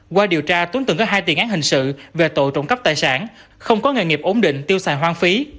qua điều tra tuấn từng có hai tiền án hình sự về tội trộm cắp tài sản không có nghề nghiệp ổn định tiêu xài hoang phí